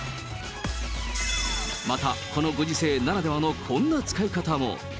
また、このご時世ならではのこんな使い方も。